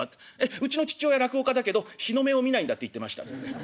うちの父親落語家だけど日の目を見ないんだって言ってました」っつってね。